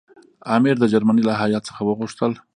امیر د جرمني له هیات څخه وغوښتل.